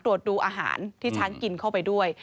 ตรวจดูอาหารที่ช้างกินเข้าไปด้วย